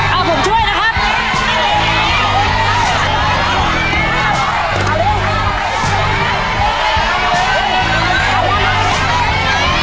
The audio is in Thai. เอาได้